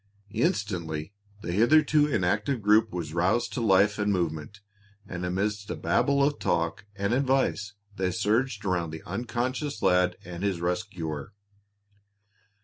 Instantly the hitherto inactive group was roused to life and movement, and amidst a Babel of talk and advice they surged around the unconscious lad and his rescuer.